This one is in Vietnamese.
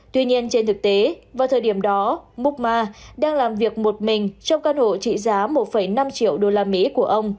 tuy nhiên trên thực tế vào thời điểm đó mook ma đang làm việc một mình trong căn hộ trị giá một năm triệu đô la mỹ của ông